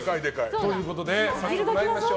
ということで早速参りましょう。